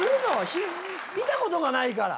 見たことがないから。